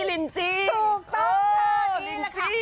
ถูกต้องค่ะนี่แหละค่ะ